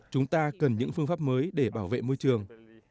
chúng ta cần những phương pháp mới để bảo vệ môi trường